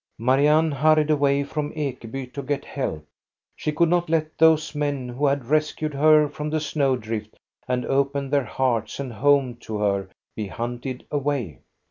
Marianne hurried away from Ekeby to get help. She could not let those men who had rescued her from the snow drift and opened their hearts and home to her be hunted away.